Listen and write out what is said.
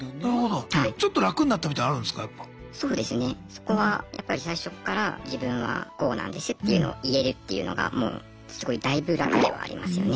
そこはやっぱり最初っから自分はこうなんですっていうのを言えるっていうのがもうすごい大分楽ではありますよね。